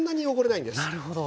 なるほど。